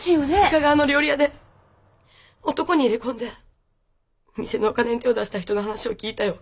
深川の料理屋で男に入れ込んで店のお金に手を出した人の話を聞いたよ。